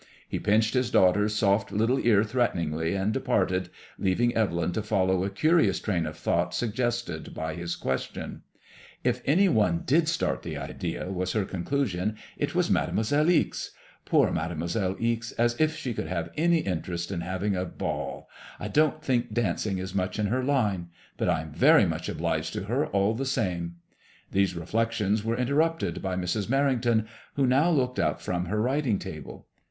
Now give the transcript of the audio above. He pinched his daughter's soft little ear threat eningly, and departed, leaving Bvel}m to follow a curious train of thought suggested by his question, If any one did start the idea," was her conclusion, "it was Mademoiselle Ixe. Poor Mademoiselle Ixe, as if she could have any interest in having a ball I don't think dancing is much in her line ; but I am very much obliged to her all the same." These reflections were inter rupted by Mrs. Merrington, who now looked up from her writing table.